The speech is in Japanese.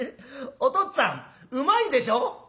おとっつぁんうまいでしょ？」。